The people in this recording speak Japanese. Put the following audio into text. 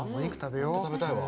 本当食べたいわ。